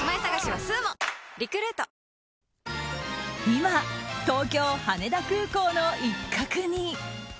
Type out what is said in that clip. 今、東京・羽田空港の一角に。